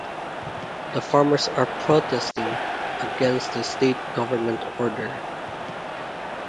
The farmers are protesting against the state government order.